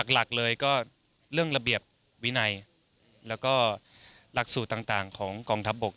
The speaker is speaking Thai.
หลักเลยก็เรื่องระเบียบวินัยแล้วก็หลักสูตรต่างของกองทัพบก